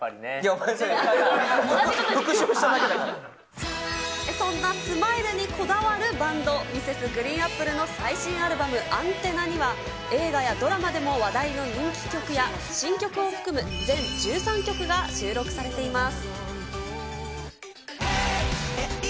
お前、それ、そんなスマイルにこだわるバンド、Ｍｒｓ．ＧＲＥＥＮＡＰＰＬＥの最新アルバム、アンテナには、映画やドラマでも話題の人気曲や新曲を含む全１３曲が収録されています。